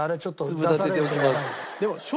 粒立てておきます。